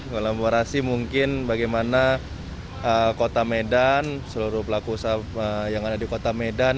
kolaborasi mungkin bagaimana kota medan seluruh pelaku usaha yang ada di kota medan